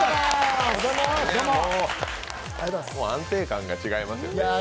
もう安定感が違いますよね。